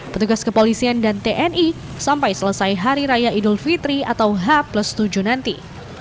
petugas kepolisian dan tni sampai selesai hari raya idul fitri atau h tujuh nanti